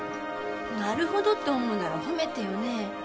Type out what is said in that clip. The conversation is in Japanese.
なるほどって思うなら褒めてよね。